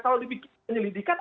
kalau dibikin penyelidikan